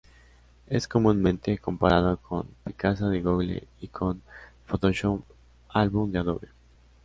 Es comúnmente comparado con Picasa de Google y con Photoshop Album de Adobe.